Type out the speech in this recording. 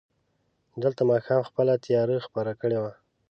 دلته ماښام خپله تياره خپره کړې وه.